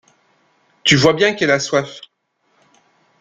Tu vois bien qu’elle a soif.